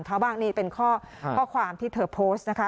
บ้างนี่เป็นข้อความที่เธอโพสต์นะคะ